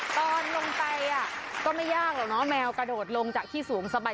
ตอนลงไปก็ไม่ยากหรอกเนอะแมวกระโดดลงจากที่สูงสบาย